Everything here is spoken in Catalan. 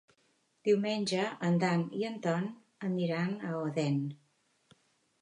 Diumenge en Dan i en Ton aniran a Odèn.